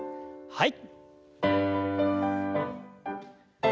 はい。